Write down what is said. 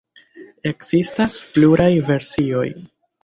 Ekzistas pluraj versioj.